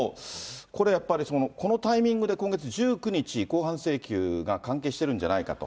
これ、やっぱりこのタイミングで今月１９日、公判請求が関係してるんじゃないかと。